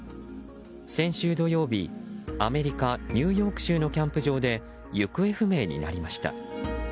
先週土曜日アメリカ・ニューヨーク州のキャンプ場で行方不明になりました。